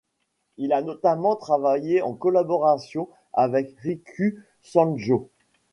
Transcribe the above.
Il a notamment travaillé en collaboration avec Riku Sanjō.